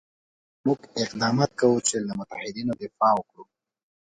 موږ اقدامات کوو چې له متحدینو دفاع وکړو.